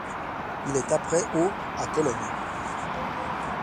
Il est après au à Cologne.